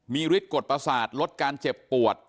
มีฤทธิกฎประสาทลดการเจ็บปวด